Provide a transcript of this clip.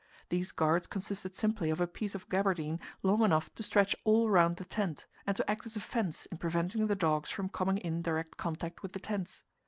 These guards consisted simply of a piece of gabardine long enough to stretch all round the tent, and to act as a fence in preventing the dogs from coming in direct contact with the tents.